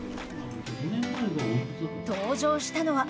登場したのは。